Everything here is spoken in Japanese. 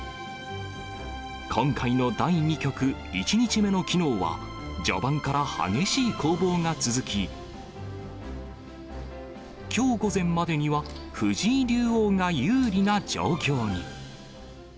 今回の第２局、１日目のきのうは序盤から激しい攻防が続き、きょう午前までには、藤井竜王が有利な状況に。